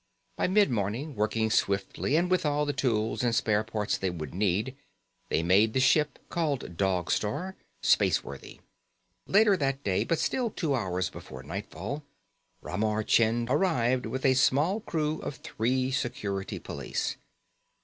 By mid morning, working swiftly and with all the tools and spare parts they would need, they made the ship, called Dog Star, space worthy. Later that day, but still two hours before nightfall, Ramar Chind arrived with a small crew of three Security Police.